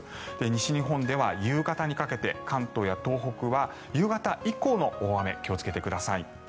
西日本では夕方にかけて関東や東北は夕方以降の大雨に気をつけてください。